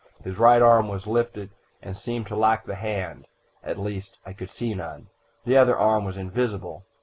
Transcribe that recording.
His right arm was lifted and seemed to lack the hand at least, I could see none. The other arm was invisible.